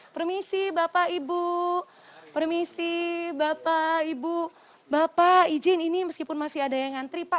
permisi bapak ibu permisi bapak ibu bapak izin ini meskipun masih ada yang ngantri pak